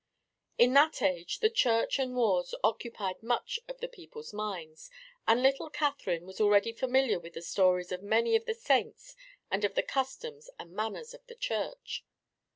In that age the Church and wars occupied much of the people's minds, and little Catherine was already familiar with the stories of many of the saints and of the customs and manners of the Church.